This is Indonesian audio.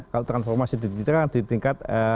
kalau transformasi digital kan di tingkat